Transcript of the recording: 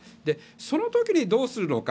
その時にどうするのか。